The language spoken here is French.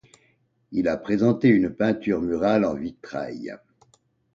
Il a présenté une peinture murale en vitrail.